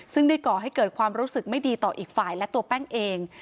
ซึ่งได้ก่อให้เกิดความรู้สึกไม่ดีต่ออีกฝ่ายและตัวแป้งเอง